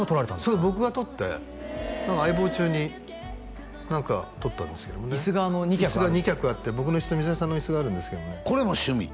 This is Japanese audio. そう僕が撮って「相棒」中に何か撮ったんですけどもね椅子が２脚あって僕の椅子と水谷さんの椅子があるんですけどもねこれも趣味？